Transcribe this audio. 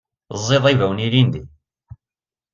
Teẓẓiḍ ibawen ilindi?